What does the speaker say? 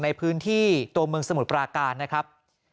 ในพื้นที่ตัวเมืองสมุทรปราการนะครับ